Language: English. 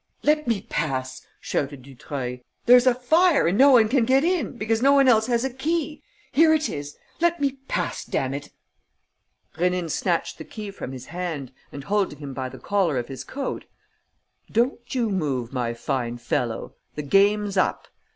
"Let me pass," shouted Dutreuil. "There's a fire and no one can get in, because no one else has a key. Here it is. Let me pass, damn it!" Rénine snatched the key from his hand and, holding him by the collar of his coat: "Don't you move, my fine fellow! The game's up!